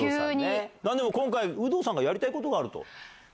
なんでも今回、有働さんがやりたいことがあると。